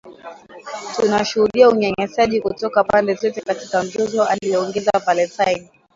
Tunashuhudia unyanyasaji kutoka pande zote katika mzozo aliongeza Valentine.